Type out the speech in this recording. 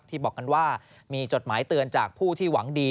บอกกันว่ามีจดหมายเตือนจากผู้ที่หวังดี